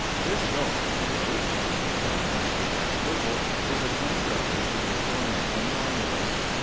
"This dog," he wrote, "owned by Master Jack Whipple, is a twin brother to the afore mentioned Romulus.